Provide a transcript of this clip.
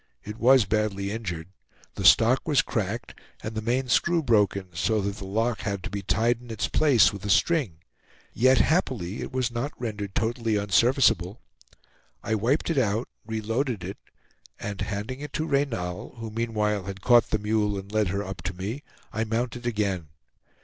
It was badly injured. The stock was cracked, and the main screw broken, so that the lock had to be tied in its place with a string; yet happily it was not rendered totally unserviceable. I wiped it out, reloaded it, and handing it to Reynal, who meanwhile had caught the mule and led her up to me, I mounted again.